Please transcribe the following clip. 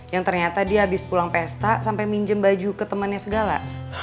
yang ternyata dia habis pulang pesta sampai minjem baju ke temennya segala